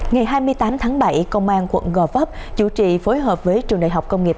ngày hai mươi tám tháng bảy công an quận gò vấp chủ trị phối hợp với trường đại học công nghiệp